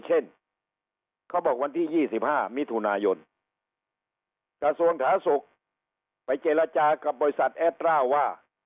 เช่นเขาบอกวันที่ยี่สิบห้ามิถุนายนส่วนขาศุกร์ไปเจรจากับบริษัทแอดร่าว่า